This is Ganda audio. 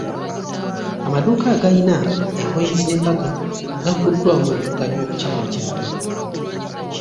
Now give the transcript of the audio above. Amadduuka agayina engoye z'embaga gaguddwawo mu bibuga by'oku kyalo kyabwe.